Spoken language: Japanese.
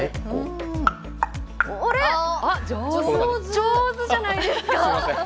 上手じゃないですか。